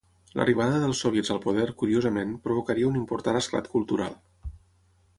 L'arribada dels soviets al poder, curiosament, provocaria un important esclat cultural.